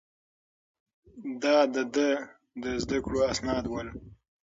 دا د ده د زده کړو اسناد ول.